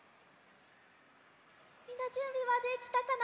みんなじゅんびはできたかな？